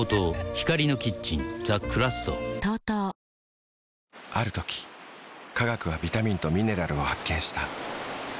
光のキッチンザ・クラッソある時科学はビタミンとミネラルを発見した。